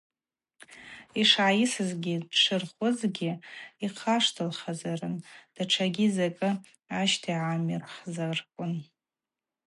Йшгӏайысызгьи дшырхвызгьи йхъаштылххьазарын датшагьи закӏы ащтагӏамихзарквын.